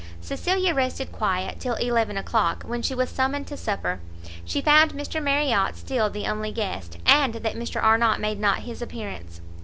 Cecilia rested quiet till eleven o'clock, when she was summoned to supper; she found Mr Marriot still the only guest, and that Mr Arnott made not his appearance.